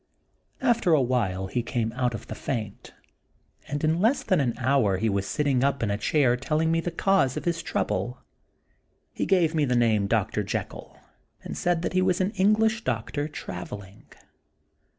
After a while he came out of the faint, and in less than an hour he was sitting up in a chair telling me the cause of his trouble. He gave me the name Dr. Jekyll, and said that he was an English doctor, travelling.